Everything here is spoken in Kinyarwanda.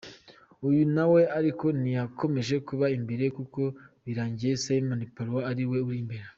Uyu nawe ariko ntiyakomeje kuba imbere kuko birangiye Simon Pellaud ari we uri imbere.